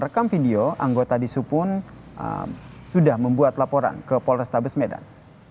di rekam video anggota disupun sudah membuat laporan ke polrestabes medan